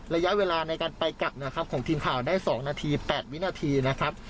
ระยะเวลาในการไปกลับนะครับของทีมข่าวได้๒นาที๘วินาทีนะครับ